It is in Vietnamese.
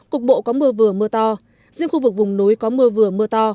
cục bộ có mưa vừa mưa to riêng khu vực vùng núi có mưa vừa mưa to